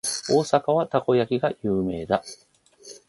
大阪はたこ焼きが有名だ。